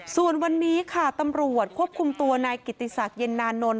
ส่วนวันนี้ค่ะตำรวจควบคุมตัวนายกิติศักดิ์เย็นนานนท